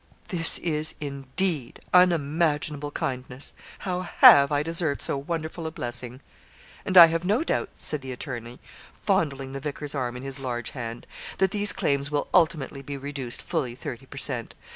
'This is, indeed, unimaginable kindness. How have I deserved so wonderful a blessing!' 'And I have no doubt,' said the attorney, fondling the vicar's arm in his large hand, 'that these claims will ultimately be reduced fully thirty per cent.